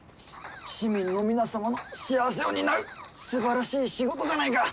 市民の皆様の幸せを担うすばらしい仕事じゃないか。